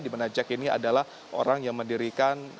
di mana jack ini adalah orang yang mendirikan